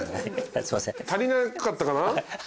足りなかったかな？ハハハ。